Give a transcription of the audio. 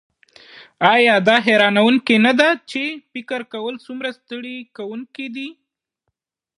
ایا دا حیرانوونکې نده چې فکر کول څومره ستړي کونکی دي